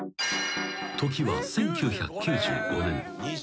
［時は１９９５年］